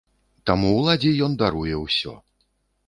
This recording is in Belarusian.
Таму ўладзе ён даруе ўсё.